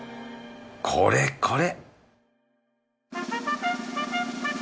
これこれ